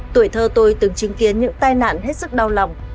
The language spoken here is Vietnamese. tuổi thơ tôi từng chứng kiến những tai nạn hết sức đau lòng